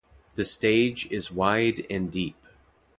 The stage is wide and deep.